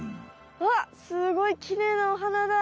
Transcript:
わあっすごいきれいなお花だ！